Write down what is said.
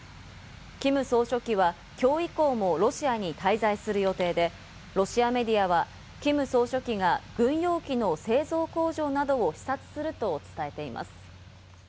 キム総書記はきょう以降もロシアに滞在する予定で、ロシアメディアはキム総書記が軍用機の製造工場などを視察すると伝えています。